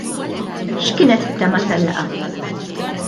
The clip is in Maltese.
X'kienet it-tema tal-laqgħa?